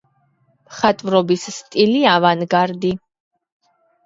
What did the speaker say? მხატვრობის სტილი ავანგარდი.